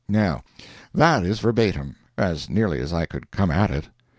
Now, that is verbatim, as nearly as I could come at it.